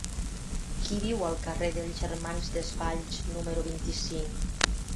Qui viu al carrer dels Germans Desvalls número vint-i-cinc?